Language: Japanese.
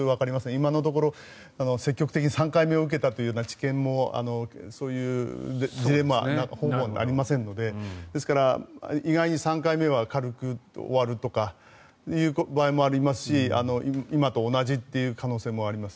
今のところ積極的に３回目を受けたという治験もそういう事例もありませんのでですから、意外に３回目は軽く終わるとかいう場合もありますし今と同じという可能性もあります。